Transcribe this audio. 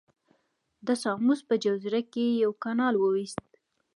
د ساموس په جزیره کې یې یو کانال وویست.